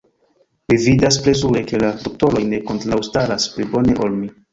Mi vidas plezure, ke la doktoroj ne kontraŭstaras pli bone ol mi.